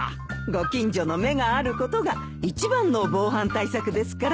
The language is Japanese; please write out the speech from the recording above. ご近所の目があることが一番の防犯対策ですからね。